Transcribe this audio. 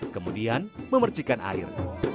kemudian memercikan air